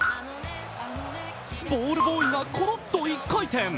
ボールボーイがコロッと一回転。